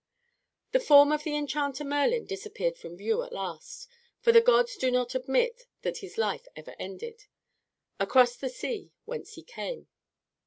The form of the enchanter Merlin disappeared from view, at last for the legends do not admit that his life ever ended across the sea whence he came.